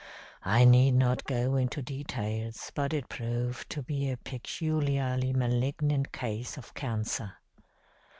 I need not go into details, but it proved to be a peculiarly malignant case of cancer.